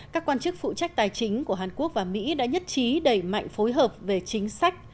các quan chức phụ trách tài chính của hàn quốc và mỹ đã nhất trí đẩy mạnh phối hợp về chính sách